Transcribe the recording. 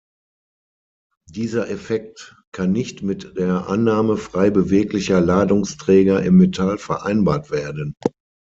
Dieser Effekt kann nicht mit der Annahme frei beweglicher Ladungsträger im Metall vereinbart werden.